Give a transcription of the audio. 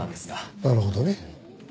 なるほどね。